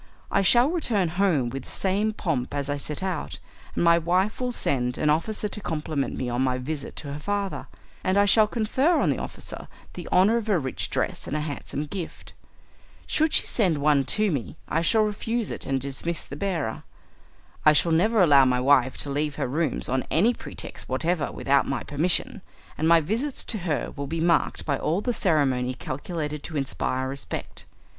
I shall return home with the same pomp as I set out, and my wife will send an officer to compliment me on my visit to her father, and I shall confer on the officer the honour of a rich dress and a handsome gift. Should she send one to me I shall refuse it and dismiss the bearer. I shall never allow my wife to leave her rooms on any pretext whatever without my permission, and my visits to her will be marked by all the ceremony calculated to inspire respect.